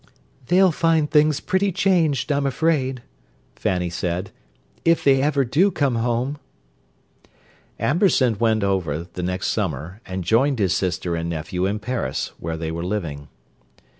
"They'll find things pretty changed, I'm afraid," Fanny said. "If they ever do come home!" Amberson went over, the next summer, and joined his sister and nephew in Paris, where they were living.